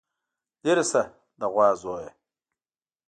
ليرې شه د غوا زويه.